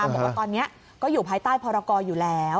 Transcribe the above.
บอกว่าตอนนี้ก็อยู่ภายใต้พรกรอยู่แล้ว